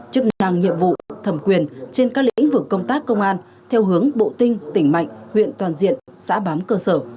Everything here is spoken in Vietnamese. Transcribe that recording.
chức năng nhiệm vụ thẩm quyền trên các lĩnh vực công tác công an theo hướng bộ tinh tỉnh mạnh huyện toàn diện xã bám cơ sở